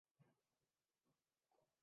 ان کا نکاح قائم ہے یا باطل ہو گیا ہے؟